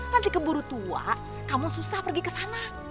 nanti keburu tua kamu susah pergi kesana